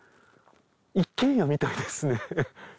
一軒家みたいですね。